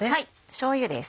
しょうゆです。